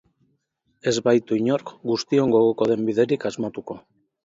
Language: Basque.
Ez baitu inork guztion gogoko den biderik asmatuko.